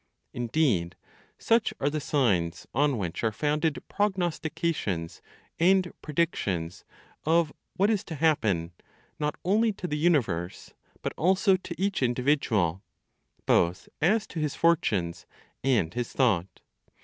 Indeed, such are the signs on which are founded prognostications and predictions of what is to happen, not only to the universe, but also to each individual, both as to his fortunes and his thought.